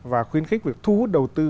và khuyến khích việc thu hút đầu tư